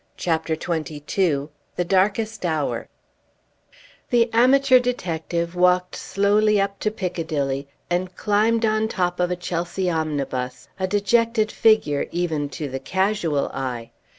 CHAPTER XXII THE DARKEST HOUR The amateur detective walked slowly up to Piccadilly, and climbed on top of a Chelsea omnibus, a dejected figure even to the casual eye.